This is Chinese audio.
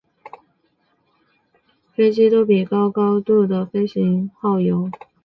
此外在低高度执行任务的飞机都比高高度的飞行耗油多而作战半径变小一点。